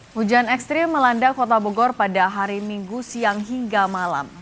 hujan ekstrim melanda kota bogor pada hari minggu siang hingga malam